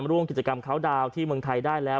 ร่วมกิจกรรมเขาดาวน์ที่เมืองไทยได้แล้ว